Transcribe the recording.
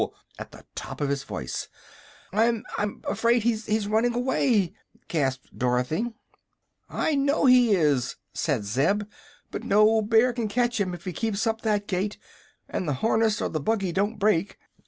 at the top of his voice. "I I'm 'fraid he's he's running away!" gasped Dorothy. "I know he is," said Zeb; "but no bear can catch him if he keeps up that gait and the harness or the buggy don't break."